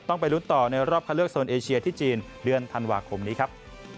ไปลุ้นต่อในรอบคัดเลือกโซนเอเชียที่จีนเดือนธันวาคมนี้ครับ